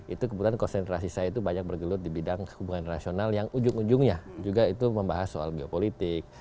itu kebetulan konsentrasi saya itu banyak bergelut di bidang hubungan rasional yang ujung ujungnya juga itu membahas soal geopolitik